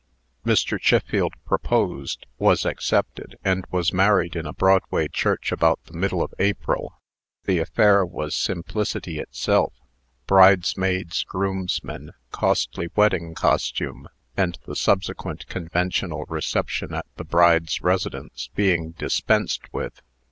Mr. Chiffield proposed, was accepted, and was married in a Broadway church about the middle of April. The affair was simplicity itself bridesmaids, groomsmen, costly wedding costume, and the subsequent conventional reception at the bride's residence being dispensed with.